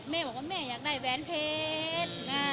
แม่บอกว่าแม่อยากได้แหวนเพชร